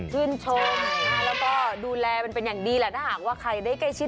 ชื่นชมแล้วก็ดูแลมันเป็นอย่างดีแหละถ้าหากว่าใครได้ใกล้ชิด